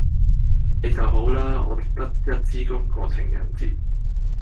你就好啦！我得一支公過情人節